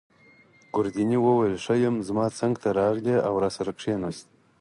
ګوردیني وویل: ښه یم. زما څنګته راغلی او راسره کښېناست.